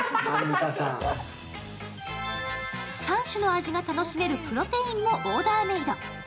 ３種の味が楽しめるプロテインもオーダーメード。